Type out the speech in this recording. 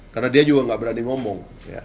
karena dia juga nggak berani ngomong